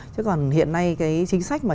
chứ còn hiện nay cái chính sách mà